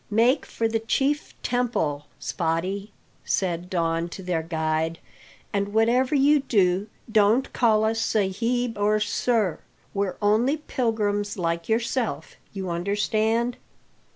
"Make for the chief temple, Spottie," said Don to their guide; "and whatever you do, don't call us sahib or sir. We're only pilgrims like yourself, you understand.